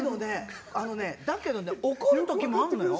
だけどね、怒る時もあるのよ。